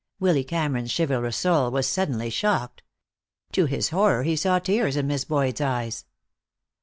Willy Cameron's chivalrous soul was suddenly shocked. To his horror he saw tears in Miss Boyd's eyes.